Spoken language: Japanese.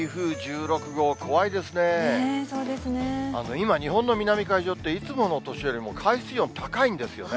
今、日本の南海上って、いつもの年よりも海水温高いんですよね。